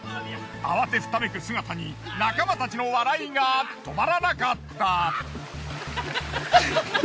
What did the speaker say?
慌てふためく姿に仲間たちの笑いが止まらなかった。